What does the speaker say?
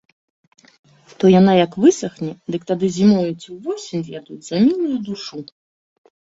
То яна як высахне, дык тады зімою ці ўвосень з'ядуць за мілую душу.